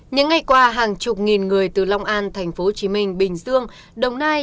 những ngày qua hàng chục nghìn người từ long an tp hcm bình dương đồng nai